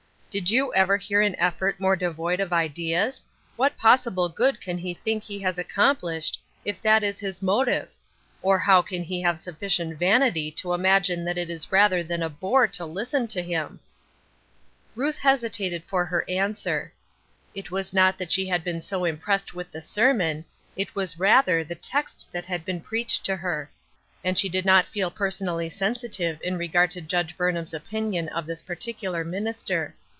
" Did you ever hear an effort more devoid ol ideas ? What possible good can he think he has accomplished, if that is his motive? Or low can he have sufficient vanity to imagine that it Is other than a bore to listen to him ?" Ruth hesitated for her answer. It wavS noi 364 ''EearJcen Unto Me,*' 865 that she had been so impressed with the sermon , it was rather the text that had been preached to her ; and she did not feel personally sensitive in regard to Judge Burnham's opinion of this par ticular minister.